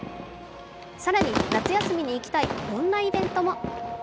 更に、夏休みに行きたいこんなイベントも。